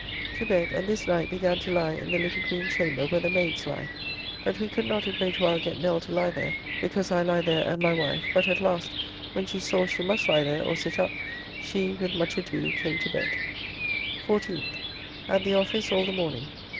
To bed, and this night began to lie in the little green chamber, where the maids lie, but we could not a great while get Nell to lie there, because I lie there and my wife, but at last, when she saw she must lie there or sit up, she, with much ado, came to bed. 4th. At the office all the morning.